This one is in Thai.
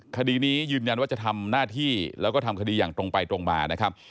คดีนี้ยืนยันว่าจะทำหน้าที่แล้วก็ทำคดีอย่างตรงไปตรงมานะครับ